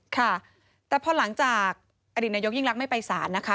ค่ะแต่พอหลังจากอดีตนายกยิ่งรักไม่ไปสารนะคะ